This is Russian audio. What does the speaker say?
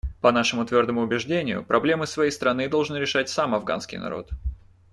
По нашему твердому убеждению, проблемы своей страны должен решать сам афганский народ.